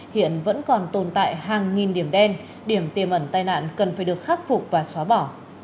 hiện vẫn còn tồn tại hàng nghìn điểm đen điểm tiềm ẩn tai nạn cần phải được khắc phục và xóa bỏ